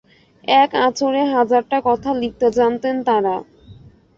এক আঁচড়ে হাজারটা কথা লিখতে জানতেন তাঁরা।